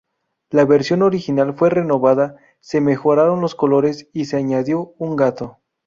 La versión original fue renovada, se mejoraron los colores y se añadió un gato.